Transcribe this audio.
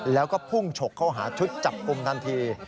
แล้วก็พุ่งฉกเข้าหาชุดจับกลุ่มทันที